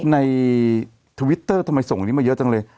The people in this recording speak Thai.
ในทวิตเตอร์ท่าเมย์ส่งเงี้ยมาเยอะจังเลย